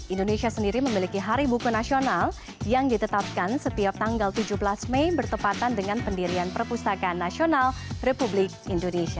indonesia sendiri memiliki hari buku nasional yang ditetapkan setiap tanggal tujuh belas mei bertepatan dengan pendirian perpustakaan nasional republik indonesia